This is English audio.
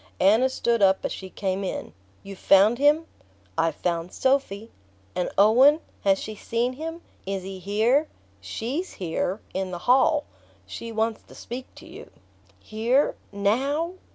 Anna stood up as she came in. "You've found him?" "I've found Sophy." "And Owen? has she seen him? Is he here?" "SHE'S here: in the hall. She wants to speak to you." "Here NOW?"